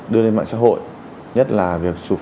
đưa lên mạng xã hội